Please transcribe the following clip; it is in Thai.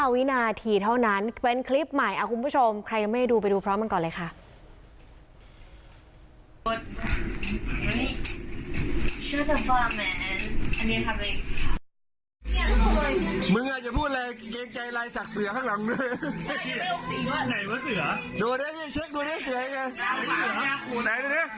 วินาทีเท่านั้นเป็นคลิปใหม่คุณผู้ชมใครยังไม่ได้ดูไปดูพร้อมกันก่อนเลยค่ะ